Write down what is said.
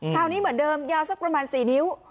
คราวนี้เหมือนเดิมยาวสักประมาณ๔นิ้ว